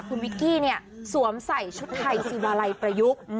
คุณวิกกี้เนี่ยสวมใส่ชุดไทยซีวาลัยประยุกต์